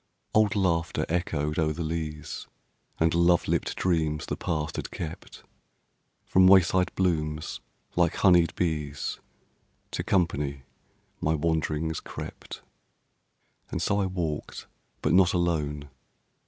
Old laughter echoed o'er the leas And love lipped dreams the past had kept, From wayside blooms like honeyed bees To company my wanderings crept. And so I walked, but not alone.